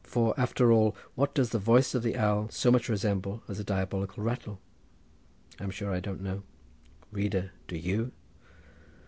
For, after all, what does the voice of the owl so much resemble as a diabolical rattle! I'm sure I don't know. Reader, do you?